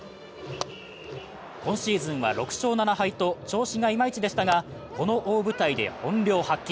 今シーズンは６勝７敗と調子がいまいちでしたが、この大舞台で本領発揮。